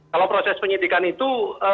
kalau proses penyidikan itu